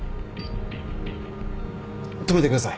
止めてください。